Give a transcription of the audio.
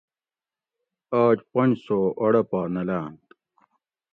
آج پنج سو اڑہ پا نہ لاۤنت